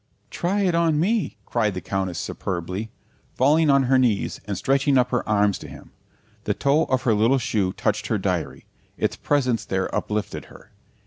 "Try it on me," cried the Countess superbly, falling on her knees and stretching up her arms to him. The toe of her little shoe touched her diary; its presence there uplifted her.